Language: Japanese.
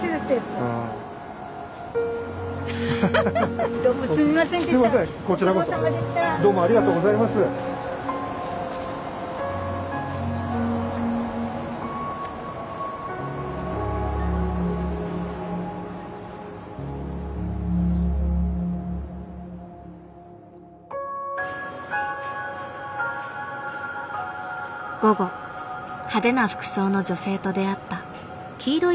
午後派手な服装の女性と出会った。